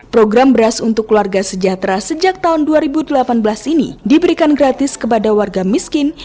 program beras untuk keluarga sejahtera sejak tahun dua ribu delapan belas ini diberikan gratis kepada warga miskin